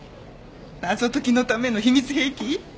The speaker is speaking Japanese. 謎解きのための秘密兵器？